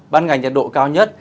ban ngày nhật độ cao nhất